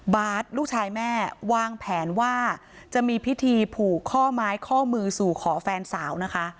ลูกชายแม่วางแผนว่าจะมีพิธีผูกข้อไม้ข้อมือสู่ขอแฟนสาวนะคะ